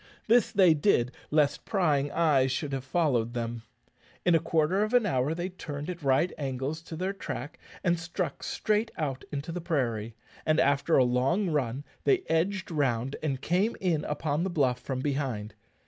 This they did lest prying eyes should have followed them. In quarter of an hour they turned at right angles to their track, and struck straight out into the prairie, and after a long run they edged round and came in upon the bluff from behind.